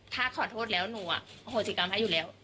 ถ้าขอโทษแล้วหนูอโหสิกรรมพระอยู่แล้ว